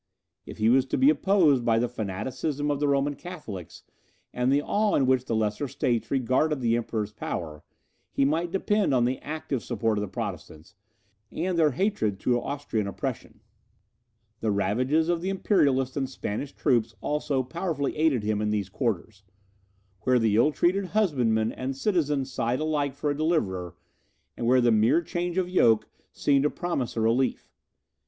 If he was to be opposed by the fanaticism of the Roman Catholics, and the awe in which the lesser states regarded the Emperor's power, he might depend on the active support of the Protestants, and their hatred to Austrian oppression. The ravages of the Imperialist and Spanish troops also powerfully aided him in these quarters; where the ill treated husbandman and citizen sighed alike for a deliverer, and where the mere change of yoke seemed to promise a relief.